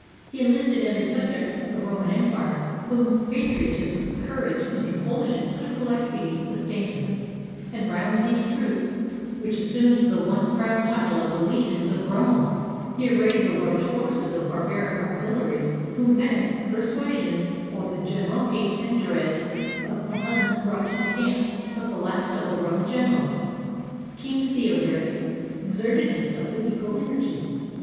He enlisted every subject of the Roman Empire whom pa triotism, courage, or compulsion could collect beneath the standards; and round these troops, which assumed the once proud title of the legions of Rome, he arrayed the large forces of barbaric auxiharies, whom pay, persuasion, or the general hate and dread of the Huns brought to the camp of the last of the Roman generals. King Theodoric exerted himself with equal energy.